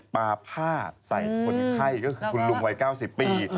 ปลาผ้าใส่คนไข้ก็คือคุณลุงวัย๙๐ปี